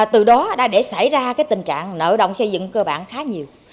từ đó đã để xảy ra tình trạng nợ động xây dựng cơ bản khá nhiều